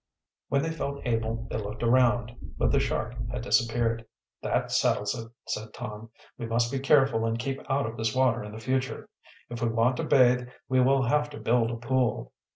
When they felt able they looked around, but the shark had disappeared. "That settles it," said Tom. "We must be careful and keep out of this water in the future. If we want to bathe, we will have to build a pool."